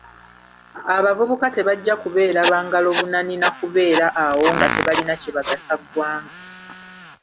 Abavubuka tebajja kubeera bangalobunani na kubeera awo nga tebalina kye bagasa ggwanga.